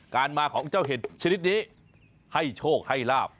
การมาของเจ้าเห็ดชนิดนี้ให้โชคให้ลาบ